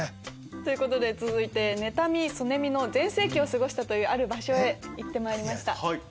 続いて妬み嫉みの全盛期を過ごしたというある場所へ行ってまいりました。